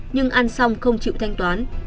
nhưng ăn xong không chịu thanh toán